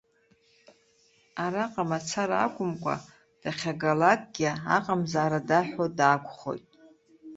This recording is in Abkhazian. Араҟа мацара акәымкәа, дахьагалакгьы аҟамзаара даҳәо даақәхоит.